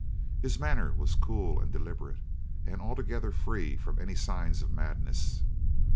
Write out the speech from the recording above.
"His manner was cool and deliberate, and altogether free from any signs of madness.